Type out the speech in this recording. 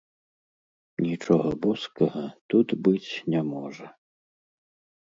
Нічога боскага тут быць не можа.